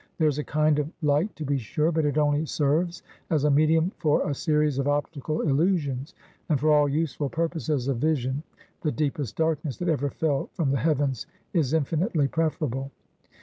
There is a kind of light, to be sure, but it only serves as a medium for a series of optical illusions, and for all useful purposes of vision, the deepest darkness that ever fell from the heavens is infinitely preferable.